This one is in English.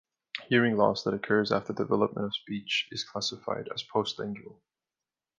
Hearing loss that occurs after the development of speech is classified as postlingual.